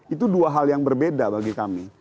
itu dua hal yang berbeda bagi kami